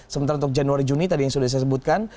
sementara untuk januari juni tadi yang sudah saya sebutkan